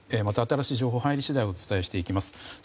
また新しい情報が入り次第お伝えしていきます。